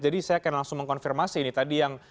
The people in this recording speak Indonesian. saya akan langsung mengkonfirmasi ini tadi yang